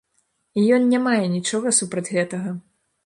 І ён не мае нічога супраць гэтага.